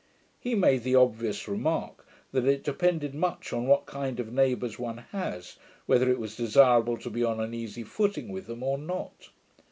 He made the obvious remark, that it depended much on what kind of neighbours one has, whether it was desirable to be on an easy footing with them, or not.